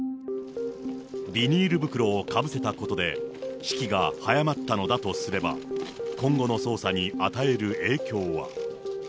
ビニール袋をかぶせたことで、死期が早まったのだとすれば、今後の捜査に与える影響は。